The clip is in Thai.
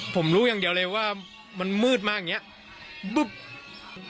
ผมรู้อย่างเดียวเลยว่ามันมืดมากอย่างนี้